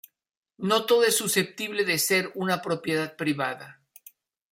No todo es susceptible de ser una propiedad privada.